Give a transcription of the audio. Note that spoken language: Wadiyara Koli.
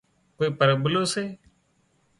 ڪوئي پرٻلُون هوئي